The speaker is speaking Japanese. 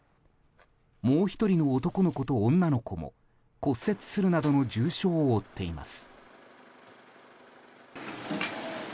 もう１人の男の子と女の子も骨折するなどの重傷を負っています。